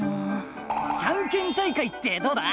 ジャンケン大会ってどうだ？